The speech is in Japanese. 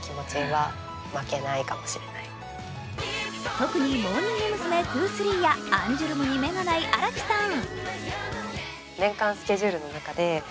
特にモーニング娘’２３やアンジュルムに目がない新木さん。